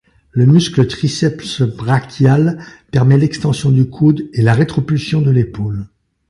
Le muscle triceps brachial permet l'extension du coude et la rétropulsion de l'épaule.